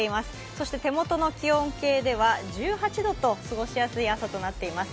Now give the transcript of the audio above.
そして手元の気温計では１８度と過ごしやすい朝となっています。